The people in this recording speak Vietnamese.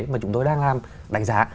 mà chúng tôi đang làm đánh giá